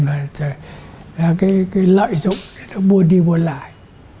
và cái lợi dụng để nó buôn đi buôn lại